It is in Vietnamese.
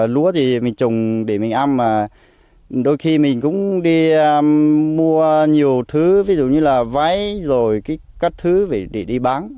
lúa thì mình trồng để mình ăn mà đôi khi mình cũng đi mua nhiều thứ ví dụ như là váy rồi các thứ phải để đi bán